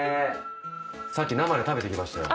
さっき生で食べてきましたよ。